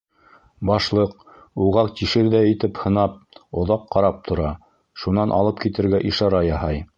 Башлыҡ, уға тишерҙәй итеп, һынап, оҙаҡ ҡарап тора, шунан алып китергә ишара яһай.